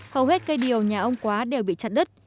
hầu hết cây điều nhà ông quá đều bị chặt đứt